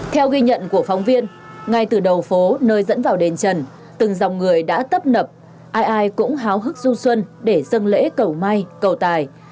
theo ghi nhận của phóng viên ngay từ đầu phố nơi dẫn vào đền trần từng dòng người đã tấp nập ai ai cũng háo hức du xuân để dâng lễ cầu may cầu tài